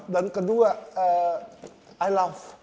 dan kedua i love